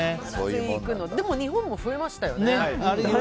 でも、日本でも増えましたね。